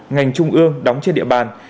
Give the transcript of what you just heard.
ngành trung ương đóng trên địa bàn